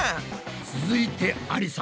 続いてありさ。